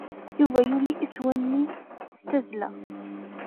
Yuba yuley isuann-nni s tazzla.